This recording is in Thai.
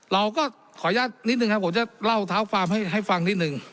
เราก็ขออนุญาตนิดนึงครับผมจะเล่าเท้าฟาร์มให้ฟังนิดนึง